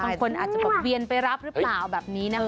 บางคนอาจจะแบบเวียนไปรับหรือเปล่าแบบนี้นะคะ